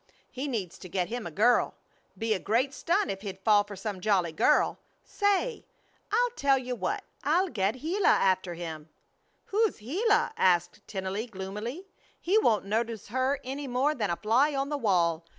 He needs to get him a girl. Be a great stunt if he'd fall for some jolly girl. Say! I'll tell you what. I'll get Gila after him." "Who's Gila?" asked Tennelly, gloomily. "He won't notice her any more than a fly on the wall.